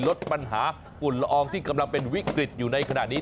ลดปัญหาฝุ่นละอองที่กำลังเป็นวิกฤตอยู่ในขณะนี้